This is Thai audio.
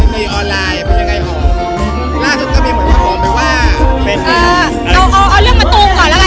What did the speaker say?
เป็นยังไงหอมล่าทุกที่ก็มีเหมือนหอมไปว่าเอาเอาเอาเรื่องมะตูมก่อนแล้วกัน